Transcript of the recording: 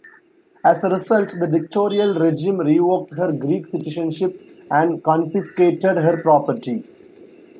As a result, the dictatorial regime revoked her Greek citizenship and confiscated her property.